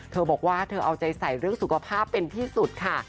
เธอบอกว่าเธอเอาใจใส่เรื่องสุขภาพเป็นที่สุดค่ะ